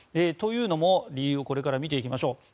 というのも理由をこれから見ていきましょう。